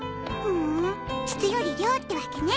ふーん質より量ってわけね。